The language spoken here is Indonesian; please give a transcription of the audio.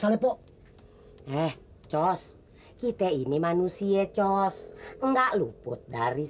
sala pop eh cos kita ini manusia cohs enggak luput dari